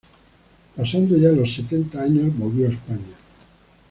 Pasando ya los setenta años volvió a España.